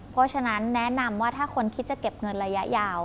เพราะฉะนั้นแนะนำว่าถ้าคนคิดจะเก็บเงินระยะยาว